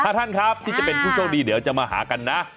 ท่านครับที่จะเป็นผู้โชคดีเดี๋ยวจะมาหากันนะ